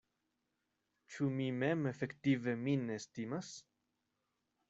Ĉu mi mem efektive min estimas?